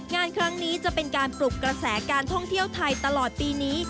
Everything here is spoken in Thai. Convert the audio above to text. งานครั้งนี้จะเป็นการปลุกกระแสการท่องเที่ยวไทยตลอดปีนี้